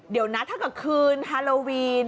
เดี๋ยวนะถ้าเกิดคืนฮาโลวีน